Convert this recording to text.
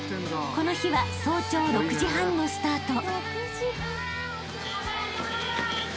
［この日は早朝６時半のスタート］